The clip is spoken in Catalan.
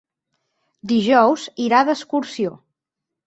Dijous irà d'excursió.